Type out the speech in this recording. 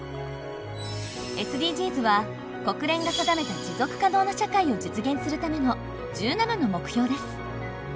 ＳＤＧｓは国連が定めた持続可能な社会を実現するための１７の目標です。